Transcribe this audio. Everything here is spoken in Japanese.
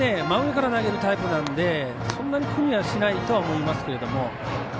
真上から投げるタイプなのでそんなに苦にはしないと思いますけど。